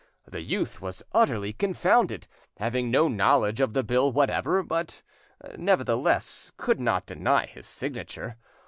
The youth was utterly confounded, having no knowledge of the bill whatever, but nevertheless could not deny his signature.